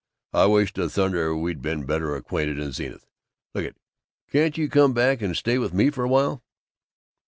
I wish to thunder we'd been better acquainted in Zenith. Lookit. Can't you come back and stay with me a while?"